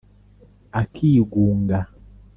akigunga